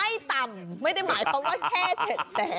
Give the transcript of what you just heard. ไม่ต่ำไม่ได้หมายความว่าแค่๗แสน